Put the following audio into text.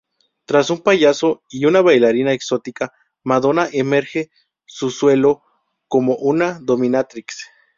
Tras un payaso y una bailarina exótica, Madonna emerge del suelo como una dominatrix.